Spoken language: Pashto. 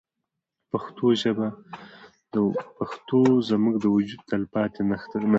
پښتو زموږ د وجود تلپاتې نښه ده.